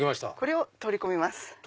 これを取り込みます。